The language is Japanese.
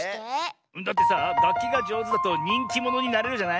だってさがっきがじょうずだとにんきものになれるじゃない？